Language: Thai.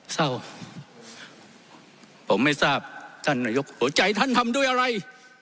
เศร้าผมไม่ทราบท่านนายกหัวใจท่านทำด้วยอะไร